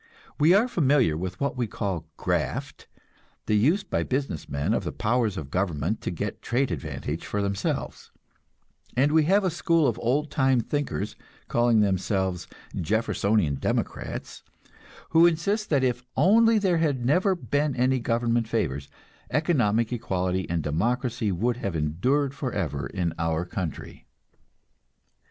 We are familiar with what we call "graft," the use by business men of the powers of government to get trade advantage for themselves, and we have a school of old time thinkers, calling themselves "Jeffersonian Democrats," who insist that if only there had never been any government favors, economic equality and democracy would have endured forever in our country.